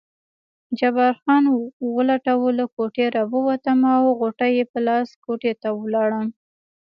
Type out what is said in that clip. جبار خان ولټوه، له کوټې راووتم او غوټه په لاس کوټې ته ولاړم.